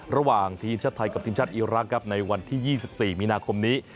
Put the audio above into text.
ระหว่างทีมชาติไทยกับทีมชาติอีรักษ์ครับในวันที่๒๔มีนาคมนี้